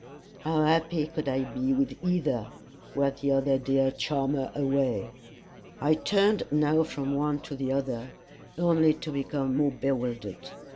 "How happy could I be with either, Were t'other dear charmer away." I turned now from one to the other, only to become more bewildered.